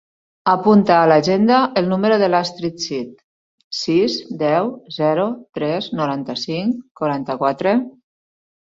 Apunta a l'agenda el número de l'Astrid Cid: sis, deu, zero, tres, noranta-cinc, quaranta-quatre.